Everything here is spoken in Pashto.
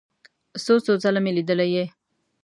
څو څو ځله مې لیدلی یې.